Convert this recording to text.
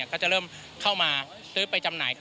ก็จะเริ่มเข้ามาซื้อไปจำหน่าย